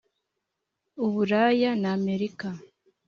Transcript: u buraya n'amerika.